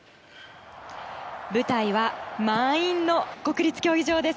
舞台は満員の国立競技場です。